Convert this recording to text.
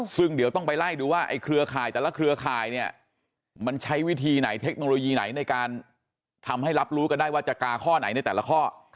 ซึ่งเดี๋ยวต้องไปไล่ดูว่าไอ้เครือข่ายแต่ละเครือข่ายเนี่ยมันใช้วิธีไหนเทคโนโลยีไหนในการทำให้รับรู้กันได้ว่าจะกาข้อไหนในแต่ละข้อ